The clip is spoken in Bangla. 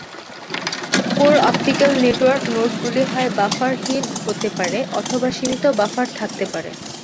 কোর অপটিক্যাল নেটওয়ার্ক নোডগুলি হয় বাফারহীন হতে পারে অথবা সীমিত বাফার থাকতে পারে।